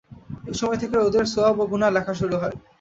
এ সময় থেকে এদের সওয়াব ও গুনাহ লেখা শুরু হয়।